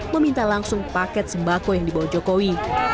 meminta langsung paket sembako yang dibawa jokowi